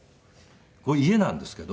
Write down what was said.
これ家なんですけど。